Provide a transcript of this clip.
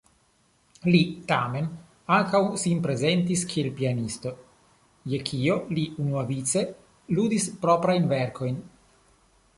Li tamen ankaŭ sin prezentis kiel pianisto, je kio li unuavice ludis proprajn verkojn.